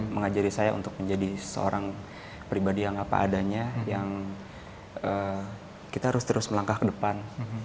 mengajari saya untuk menjadi seorang pribadi yang apa adanya yang kita harus terus melangkah ke depan